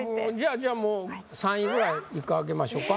じゃあもう３位ぐらい１回開けましょうか。